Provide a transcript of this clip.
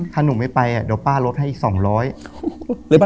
ถ้าหนูไม่ไปเดี๋ยวป้ารวดให้อีก๒๐๐